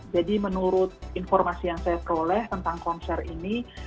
jadi menurut informasi yang saya peroleh tentang konser ini